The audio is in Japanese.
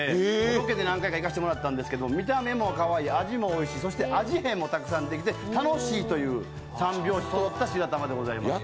ロケで何回か行かせてもらったんですけど、見た目もかわいい、味もおいしい、そして味変もたくさんできて楽しいという３拍子そろった白玉です。